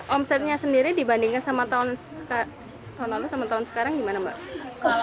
omsetnya sendiri dibandingkan sama tahun lalu sama tahun sekarang gimana mbak